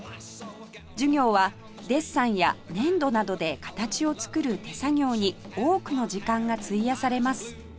授業はデッサンや粘土などで形を作る手作業に多くの時間が費やされます